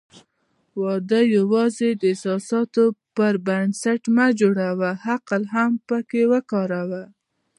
واده یوازې د احساساتو پر بنسټ مه جوړوه، عقل هم پکې وکاروه.